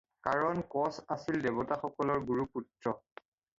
কাৰণ কচ আছিল দেৱতাসকলৰ গুৰু পুত্ৰ।